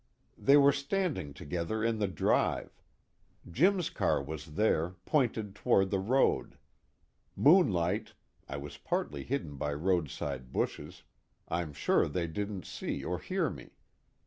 They were standing together in the drive. Jim's car was there, pointed toward the road. Moonlight I was partly hidden by roadside bushes I'm sure they didn't see or hear me.